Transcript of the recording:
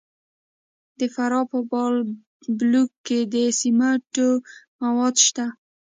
د فراه په بالابلوک کې د سمنټو مواد شته.